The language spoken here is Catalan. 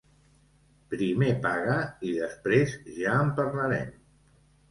Primer paga i després ja en parlarem.